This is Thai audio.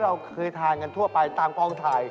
เพราะบ้านเราติดกันไง